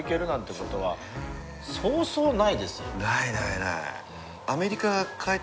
ないないない。